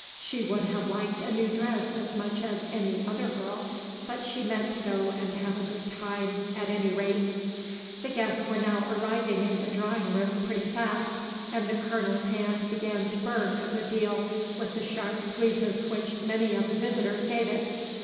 She would have liked a new dress as much as any other girl, but she meant to go and have a good time at any rate. The guests were now arriving in the drawing room pretty fast, and the Colonel's hand began to burn a good deal with the sharp squeezes which many of the visitors gave it.